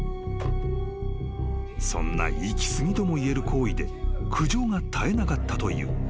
［そんな行き過ぎとも言える行為で苦情が絶えなかったという。